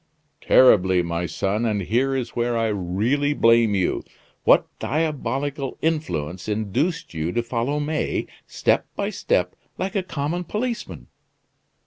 "Terribly, my son; and here is where I really blame you. What diabolical influence induced you to follow May, step by step, like a common policeman?"